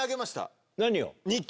何を？